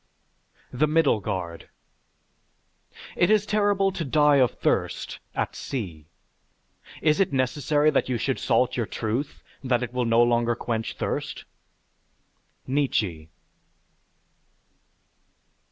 The Middle Guard _It is terrible to die of thirst at sea. Is it necessary that you should salt your truth that it will no longer quench thirst_? NIETZSCHE.